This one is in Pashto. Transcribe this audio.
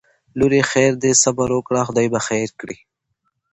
لورې خیر دی صبر وکړه خدای به خیر کړي